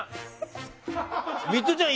ミトちゃん